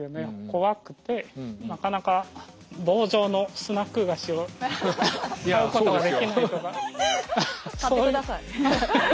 怖くてなかなか棒状のスナック菓子を買うことができないとかそういう。